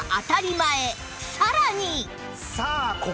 さらに